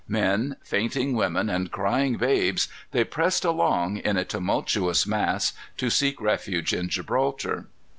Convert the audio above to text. Men, fainting women, and crying babes, they pressed along, in a tumultuous mass, to seek refuge in Gibraltar.